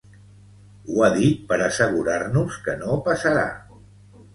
Ho ha dit per assegurar-nos que no passarà.